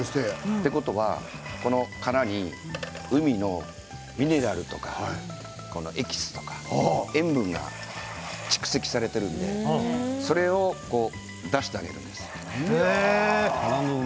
ということはこの殻に海のミネラルとかエキスとか塩分が蓄積されているのでそれを出してあげるんです。